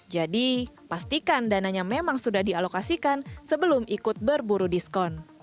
jadi pastikan dananya memang sudah dialokasikan sebelum ikut berburu diskon